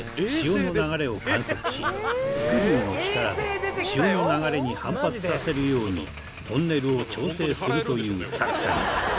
スクリューの力で潮の流れに反発させるようにトンネルを調整するという作戦。